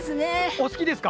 お好きですか？